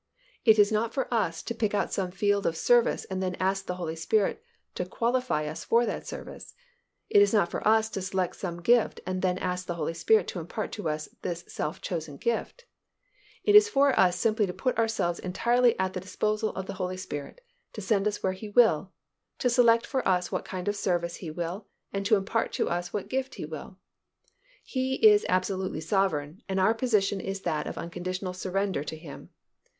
It is not for us to pick out some field of service and then ask the Holy Spirit to qualify us for that service. It is not for us to select some gift and then ask the Holy Spirit to impart to us this self chosen gift. It is for us to simply put ourselves entirely at the disposal of the Holy Spirit to send us where He will, to select for us what kind of service He will and to impart to us what gift He will. He is absolute sovereign and our position is that of unconditional surrender to Him.